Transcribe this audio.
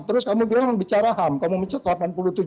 terus kamu bilang bicara ham kamu mencet